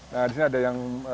nah di sini ada yang